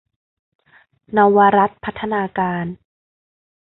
เนาวรัตน์พัฒนาการ